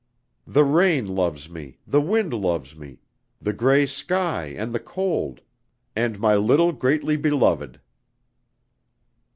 The rain loves me, the wind loves me, the gray sky and the cold and my little greatly beloved...."